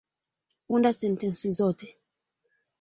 Unda sentensi zote.